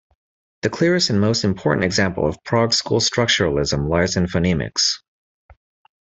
The clearest and most important example of Prague school structuralism lies in phonemics.